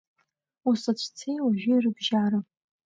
Усыцәцеи уажәи рыбжьара…